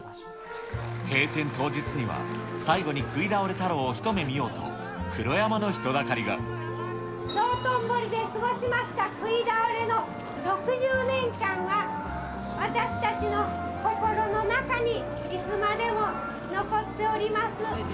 閉店当日には、最後にくいだおれ太郎を一目見ようと、道頓堀で過ごしましたくいだおれの６０年間は、私たちの心の中にいつまでも残っております。